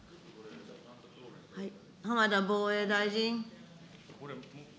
浜田防衛大臣。